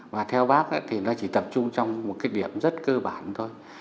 và theo bác thì nó chỉ tập trung trong một cái điểm rất cơ bản thôi